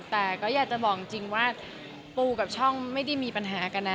แต่ก็อยากจะบอกจริงว่าปูกับช่องไม่ได้มีปัญหากันนะ